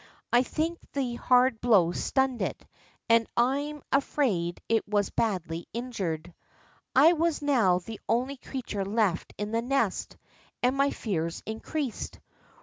I think the hard blow stunned it, and I am afraid it was badly injured. I was now the only creature left in the nest, and my fears increased.